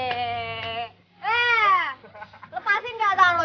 eh lepasin dia tangan lo